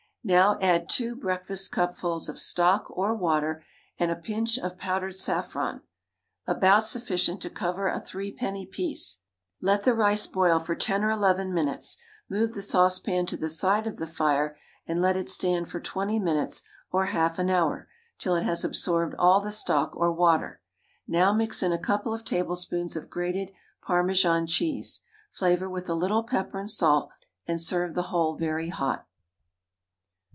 Now add two breakfastcupfuls of stock or water and a pinch of powdered saffron, about sufficient to cover a threepenny piece; let the rice boil for ten or eleven minutes, move the saucepan to the side of the fire and let it stand for twenty minutes or half an hour till it has absorbed all the stock or water. Now mix in a couple of tablespoonfuls of grated Parmesan cheese. Flavour with a little pepper and salt, and serve the whole very hot.